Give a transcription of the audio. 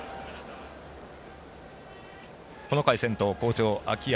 この回、先頭好調の秋山。